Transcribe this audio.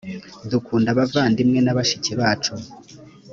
dukunda abavandimwe na bashiki bacu